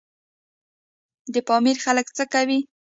د پامیر خلک څه کوي؟